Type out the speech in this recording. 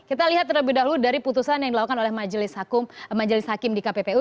kita lihat terlebih dahulu dari putusan yang dilakukan oleh majelis hakim di kppu